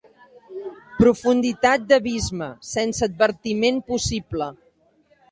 Profunditat d'abisme, sense advertiment possible.